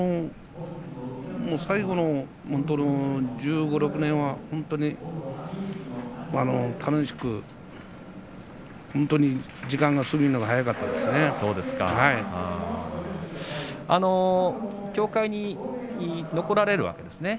最後の１５、１６年は本当に楽しく本当に時間が過ぎるのが早かった協会に残られるわけですね。